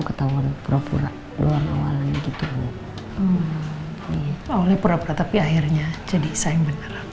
ketahuan pura pura doang awalnya gitu bu awalnya pura pura tapi akhirnya jadi sayang beneran